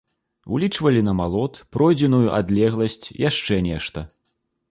Улічвалі намалот, пройдзеную адлегласць, яшчэ нешта.